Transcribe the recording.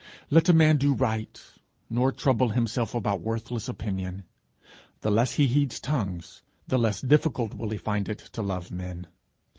Let a man do right, nor trouble himself about worthless opinion; the less he heeds tongues, the less difficult will he find it to love men.